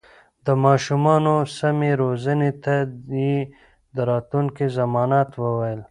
د ماشومانو سمې روزنې ته يې د راتلونکي ضمانت ويل.